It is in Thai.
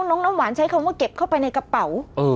เฮ่ยที่นั่นวาใช้คำว่าเก็บเข้าไปในกระเป๋า